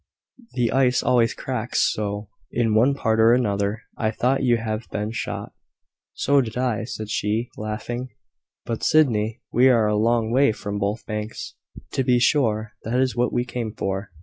The ice always cracks so, in one part or another. I thought you had been shot." "So did I," said she, laughing. "But, Sydney, we are a long way from both banks." "To be sure: that is what we came for."